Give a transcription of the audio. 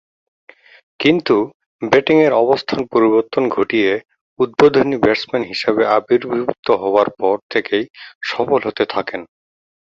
কিন্তু, ব্যাটিংয়ের অবস্থান পরিবর্তন ঘটিয়ে উদ্বোধনী ব্যাটসম্যান হিসেবে আবির্ভূত হবার পর থেকেই সফল হতে থাকেন।